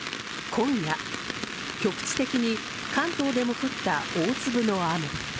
今夜、局地的に関東でも降った大粒の雨。